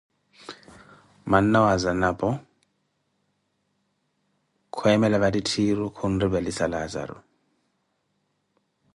manna wa Zanapo, kweemela vattitthiiru, khunripelisa Laazaru.